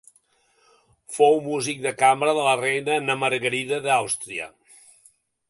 Fou músic de cambra de la reina Na Margarida d'Àustria.